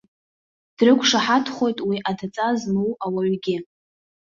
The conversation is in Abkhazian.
Дрықәшаҳаҭхоит уи адҵа змоу ауаҩгьы.